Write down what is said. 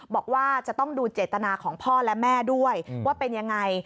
บอกว่าจะต้องดูเจตนาของพ่อและแม่ด้วยว่าเป็นยังไง